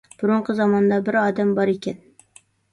بۇرۇنقى زاماندا بىر ئادەم بار ئىكەن.